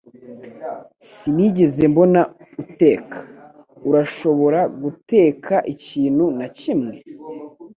Sinigeze mbona uteka. Urashobora guteka ikintu na kimwe?